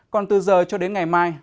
còn từ giờ cho đến ngày mai